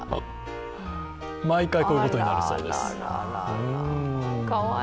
毎回こういうことになるそうです。